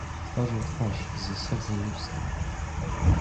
Twarzą w twarz z sobą: lustro.